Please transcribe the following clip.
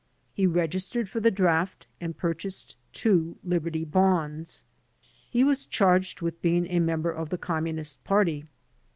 He registered for the draft and purchased two Liberty Bonds. He was charged with being a member of the Communist Party.